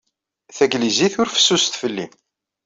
Tanglizit ur fessuset fell-i.